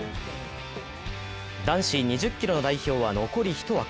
男子２０ｋｍの代表は残り１枠。